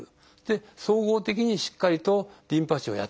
総合的にしっかりとリンパ腫をやっつけると。